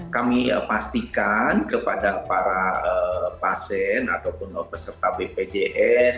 kami pastikan kepada para pasien ataupun peserta bpjs